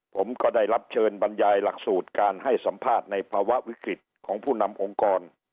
ผมก็ได้รับเชิญบรรยายหลักสูตรการให้สัมภาษณ์ในภาวะวิกฤตของผู้นำองค์กร